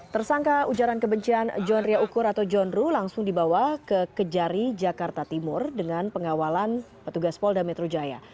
tersangka ujaran kebencian john ria ukur atau john ruh langsung dibawa ke kejari jakarta timur dengan pengawalan petugas polda metro jaya